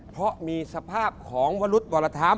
เพราะมีสภาพของวรุษวรธรรม